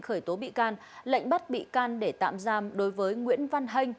khởi tố bị can lệnh bắt bị can để tạm giam đối với nguyễn văn hanh